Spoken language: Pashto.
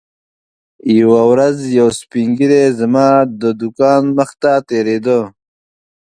یوه ورځ یو سپین ږیری زما د دوکان مخې ته تېرېده.